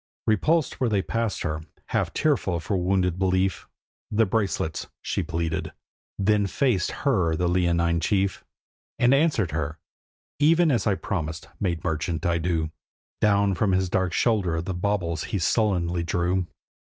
Repulsed where they passed her, half tearful for wounded belief, 'The bracelets!' she pleaded. Then faced her the leonine chief, And answered her: 'Even as I promised, maid merchant, I do.' Down from his dark shoulder the baubles he sullenly drew.